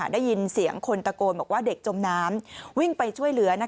ได้ยินเสียงคนตะโกนบอกว่าเด็กจมน้ำวิ่งไปช่วยเหลือ